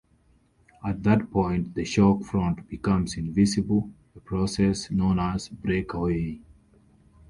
At that point, the shock front becomes invisible, a process known as "breakaway".